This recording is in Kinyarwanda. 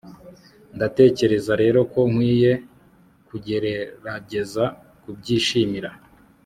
ndatekereza rero ko nkwiye kugerageza kubyishimira